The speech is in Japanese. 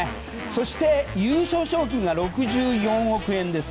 そして、優勝賞金が６４億円。